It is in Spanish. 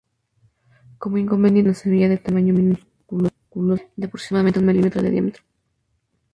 Como inconveniente presenta una semilla de tamaño minúsculo, de aproximadamente un milímetro de diámetro.